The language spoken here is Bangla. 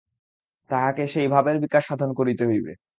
তাহাকে সেই ভাবের বিকাশ-সাধন করিতে হইবে।